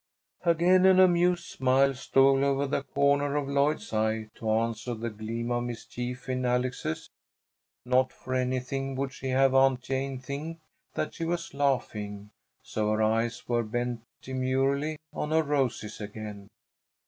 Again an amused smile stole out of the corner of Lloyd's eye to answer the gleam of mischief in Alex's. Not for anything would she have Aunt Jane think that she was laughing, so her eyes were bent demurely on her roses again.